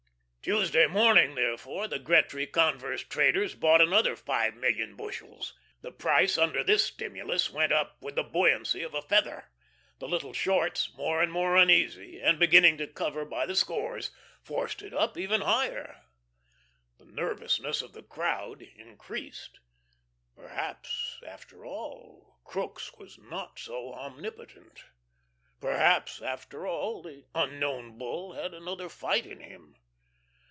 Tuesday morning, therefore, the Gretry Converse traders bought another five million bushels. The price under this stimulus went up with the buoyancy of a feather. The little shorts, more and more uneasy, and beginning to cover by the scores, forced it up even higher. The nervousness of the "crowd" increased. Perhaps, after all, Crookes was not so omnipotent. Perhaps, after all, the Unknown Bull had another fight in him.